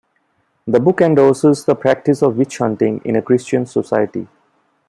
The book endorses the practice of witch hunting in a Christian society.